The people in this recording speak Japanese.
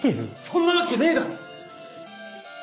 そんなわけねえだろ！